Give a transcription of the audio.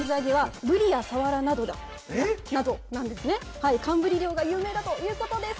はい寒ブリ漁が有名だということです！